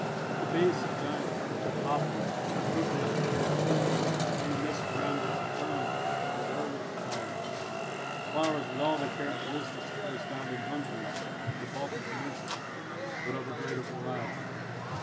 At the base of giant firs and poplars, or poking out their heads impudently, from amidst brambles and ferns, are werwolf flowers flowers with all the characteristics of those found in Hungary and the Balkan Peninsula, but of a greater variety.